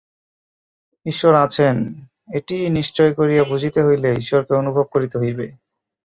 ঈশ্বর আছেন, এইটি নিশ্চয় করিয়া বুঝিতে হইলে ঈশ্বরকে অনুভব করিতে হইবে।